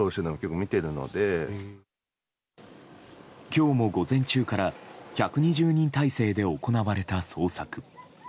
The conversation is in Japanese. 今日も午前中から１２０人態勢で行われた捜索。